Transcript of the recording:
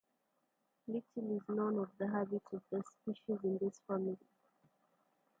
Little is known of the habits of the species in this family.